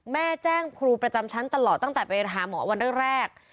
แม่แจ้งครูประจำชั้นตลอดตั้งแต่ไปหาหมอวันแรก